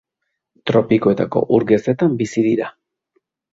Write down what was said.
Tropikoetako ur gezetan bizi dira.